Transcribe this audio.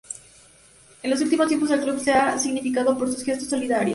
En los últimos tiempos el club se ha significado por sus gestos solidarios.